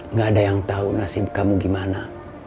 nggak ada yang tahu nasib kamu gimana